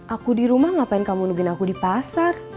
aku di rumah ngapain kamu nungguin aku di pasar